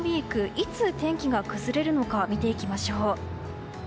いつ天気が崩れるのか見ていきましょう。